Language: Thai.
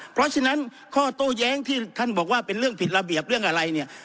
เพราะฉะนั้นข้อโต้แย้งที่ท่านบอกว่าเป็นเรื่องผิดระเบียบเรื่องอะไรเนี่ย